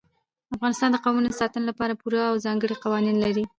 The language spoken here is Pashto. افغانستان د قومونه د ساتنې لپاره پوره او ځانګړي قوانین لري.